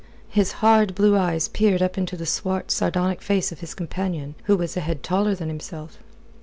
His hard blue eyes peered up into the swart, sardonic face of his companion, who was a head taller than himself.